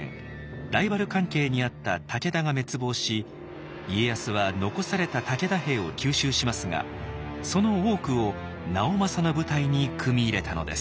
ライバル関係にあった武田が滅亡し家康は残された武田兵を吸収しますがその多くを直政の部隊に組み入れたのです。